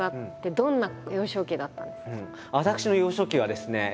私の幼少期はですね